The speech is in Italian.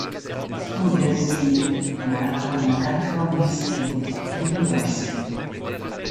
Studia disegno e pittura alla California State University.